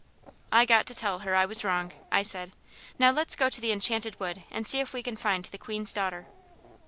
"I got to tell her I was wrong," I said. "Now let's go to the Enchanted Wood and see if we can find the Queen's daughter."